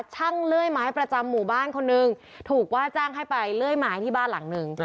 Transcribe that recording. เลื่อยไม้ประจำหมู่บ้านคนหนึ่งถูกว่าจ้างให้ไปเลื่อยไม้ที่บ้านหลังนึง